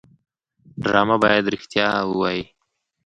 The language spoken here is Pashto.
ډرامه باید رښتیا ووايي